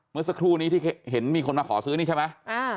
เมื่อสักครู่นี้ที่เห็นมีคนมาขอซื้อนี่ใช่ไหม